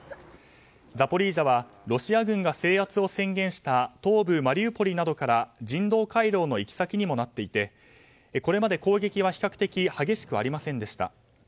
ザポリージャはロシア軍が制圧を宣言した東部マリウポリなどから人道回廊の行き先にもなっていてこれまで攻撃は比較的激しくありませんでした。